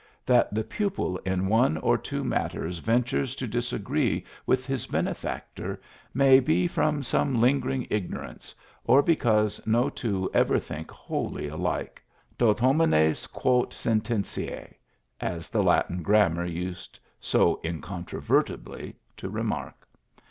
That the pupil in one or two matters ventures to disagree with his benefactor may be from much lingering igno rance, or because no two ever think wholly alike : tot homines quot sententia^ as the Latin gram mar used so incontrovertibly to remark.